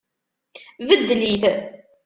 Beddel-it.